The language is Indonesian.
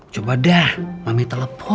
coba dah mami telepon